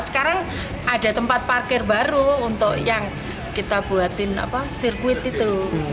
sekarang ada tempat parkir baru untuk yang kita buatin sirkuit itu